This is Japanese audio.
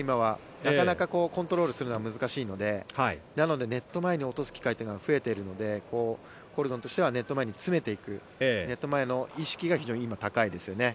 なかなかコントロールするのは難しいのでなので、ネット前に落とす機会が増えているのでコルドンとしてはネット前に詰めていくネット前の意識が今、非常に高いですよね。